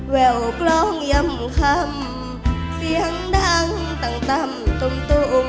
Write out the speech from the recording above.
แววกล้องย่ำคำเสียงดังต่ำต่ำตุ่มตุ่ม